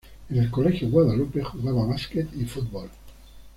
En el Colegio Guadalupe jugaba básquet y fútbol.